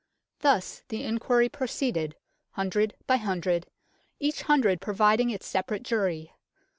Thus the inquiry proceeded, Hundred by Hundred, each Hundred providing its separate jury.